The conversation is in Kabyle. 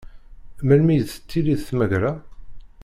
Melmi i d-tettili tmegra?